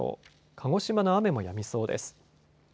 鹿児島の雨もやみそうです。